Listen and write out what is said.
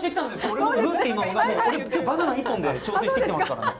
俺今日バナナ１本で調整してきてますからね。